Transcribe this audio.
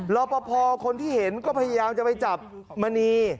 รอปภคนที่เห็นก็พยายามจะไปจับมณี